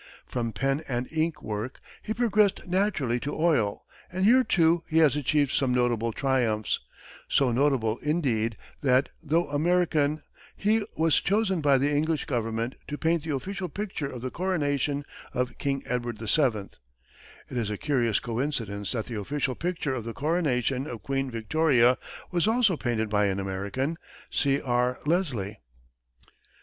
From pen and ink work, he progressed naturally to oil, and here, too, he has achieved some notable triumphs so notable, indeed, that, though American, he was chosen by the English government to paint the official picture of the coronation of King Edward VII. It is a curious coincidence that the official picture of the coronation of Queen Victoria was also painted by an American, C. R. Leslie.